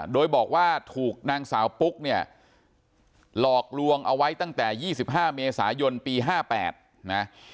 โดยบอกว่าถูกนางสาวปุ๊กเนี่ยหลอกลวงเอาไว้ตั้งแต่๒๕เมษายนปี๕๘นะ